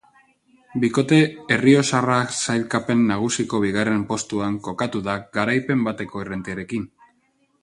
Bikote errioxarra sailkapen nagusiko bigarren postuan kokatu da garaipen bateko errentarekin.